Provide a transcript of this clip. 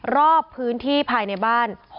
รอบพื้นที่ภายในบ้าน